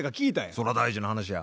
そら大事な話や。